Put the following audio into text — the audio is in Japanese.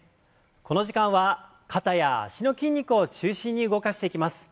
この時間は肩や脚の筋肉を中心に動かしていきます。